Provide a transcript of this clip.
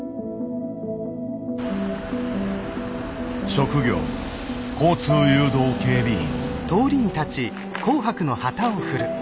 職業交通誘導警備員。